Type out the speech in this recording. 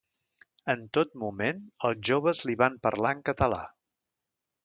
En tot moment, els joves li van parlar en català.